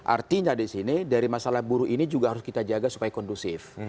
artinya di sini dari masalah buruh ini juga harus kita jaga supaya kondusif